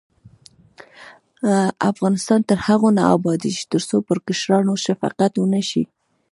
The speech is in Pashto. افغانستان تر هغو نه ابادیږي، ترڅو پر کشرانو شفقت ونشي.